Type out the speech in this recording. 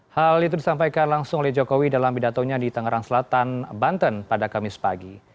hal itu disampaikan langsung oleh jokowi dalam pidatonya di tangerang selatan banten pada kamis pagi